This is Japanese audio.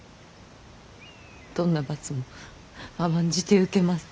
どんな罰も甘んじて受けます。